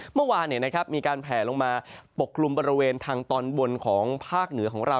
เมื่อวานมีการแผลลงมาปกกลุ่มบริเวณทางตอนบนของภาคเหนือของเรา